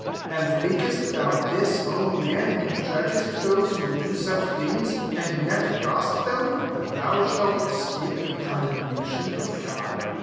3 And thinkest thou this, O man, who judgest those who do such things, and yet dost them, that thou shak es cape the condemnation of God